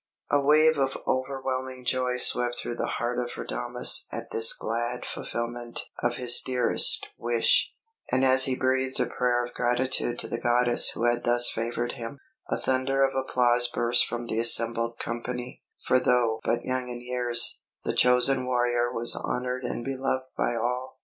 A wave of overwhelming joy swept through the heart of Radames at this glad fulfilment of his dearest wish; and as he breathed a prayer of gratitude to the goddess who had thus favoured him, a thunder of applause burst from the assembled company, for though but young in years, the chosen warrior was honoured and beloved by all.